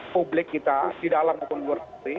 publik kita di dalam maupun luar negeri